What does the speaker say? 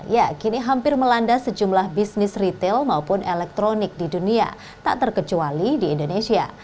ya kini hampir melanda sejumlah bisnis retail maupun elektronik di dunia tak terkecuali di indonesia